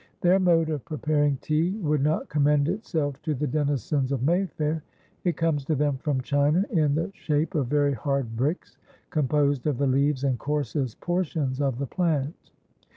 Their mode of preparing tea would not commend itself to the denizens of Mayfair. It comes to them from China in the shape of very hard bricks, composed of the leaves and coarsest portions of the plant.